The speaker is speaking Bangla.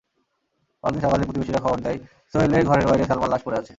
পরদিন সকালে প্রতিবেশীরা খবর দেয়, সোহেলের ঘরের বাইরে সালমার লাশ পড়ে আছে।